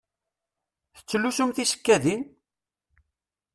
Tettlusum tisekkadin?